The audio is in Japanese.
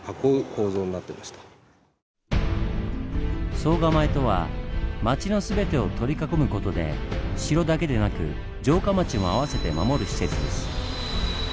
「総構」とは町のすべてを取り囲む事で城だけでなく城下町も合わせて守る施設です。